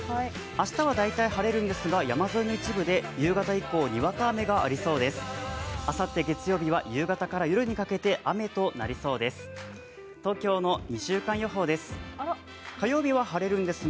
明日は大体晴れるんですが、山沿いの一部で夕方以降、にわか雨がありそうです。